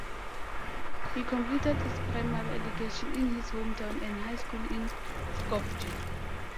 He completed his primary education in his hometown and high school in Skopje.